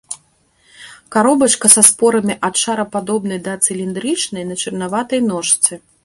Каробачка са спорамі ад шарападобнай да цыліндрычнай, на чырванаватай ножцы.